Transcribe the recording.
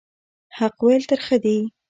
حق ویل ترخه دي